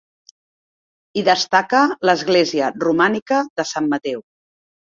Hi destaca l'església romànica de Sant Mateu.